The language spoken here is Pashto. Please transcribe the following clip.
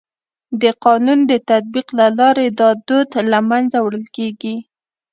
د قانون د تطبیق له لارې دا دود له منځه وړل کيږي.